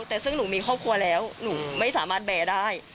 แต่ซึ่งหนูมีครอบครัวแล้วหนูไม่สามารถแบร์ได้